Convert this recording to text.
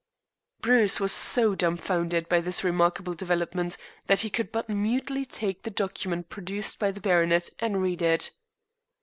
Bruce was so dumfounded by this remarkable development that he could but mutely take the document produced by the baronet and read it.